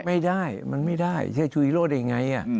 ไม่ได้มันไม่ได้เชื่อชู้ฮีโร่ได้อย่างไร